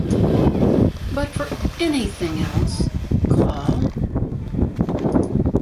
But for "anything else", call...